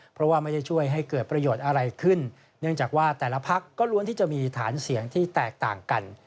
เพราะว่าไม่ได้ช่วยให้เกิดประโยชน์อะไรขึ้นเนื่องจากว่าแต่ละพักก็ล้วนที่จะมีฐานเสียงที่แตกต่างกัน